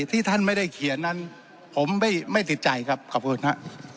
ที่ท่านไม่ได้เขียนนั้นผมไม่ติดใจครับขอบคุณครับ